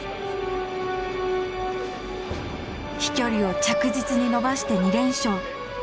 飛距離を着実に伸ばして２連勝。